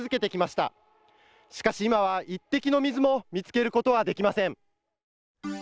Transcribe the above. しかし今は一滴の水も見つけることはできません。